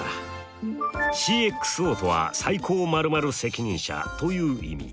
ＣｘＯとは最高○○責任者という意味。